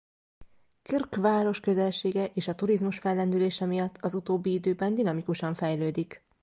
Krk város közelsége és a turizmus fellendülése miatt az utóbbi időben dinamikusan fejlődik.